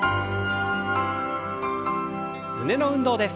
胸の運動です。